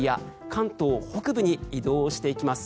関東北部に移動していきます。